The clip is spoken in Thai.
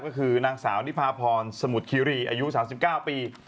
ก็คือนางสาวนิพาพรสมุทรคิรีอายุ๓๙ปี